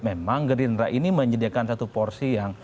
memang gerindra ini menyediakan satu porsi yang